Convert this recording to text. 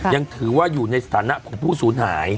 ยังถือว่าอยู่ในศาลนักภูมิผู้ศูนย์หาย